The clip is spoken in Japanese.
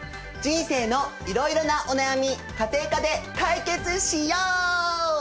人生のいろいろなお悩み家庭科で解決しよう！